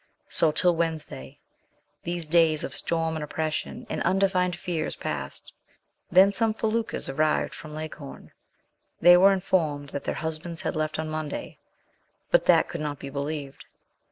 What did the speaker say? So till Wednesday these days of storm and oppression and undefined fears passed; then, some feluccas arriving from Leghorn, they were informed that their husbands had left on Monday ; but that could not be believed.